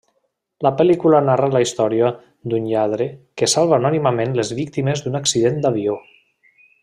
La pel·lícula narra la història d'un lladre que salva anònimament les víctimes d'un accident d'avió.